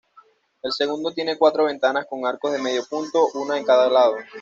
El segundo tiene cuatro ventanas con arcos de medio punto, una en cada lado.